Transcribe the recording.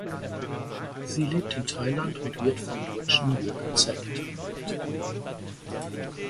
Sie lebt in Thailand und wird vom Deutschen Jürgen Zäck trainiert.